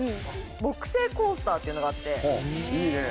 木製コースターっていうのがあって。